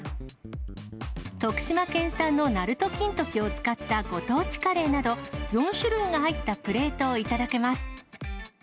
徳島県産のなると金時を使ったご当地カレーなど、４種類が入ったプレートを頂けます。